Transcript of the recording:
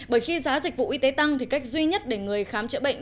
bởi khi giá dịch vụ y tế tăng thì cách duy nhất để người khám chữa bệnh